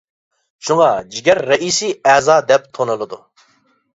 شۇڭا جىگەر رەئىس ئەزا دەپ تونۇلىدۇ.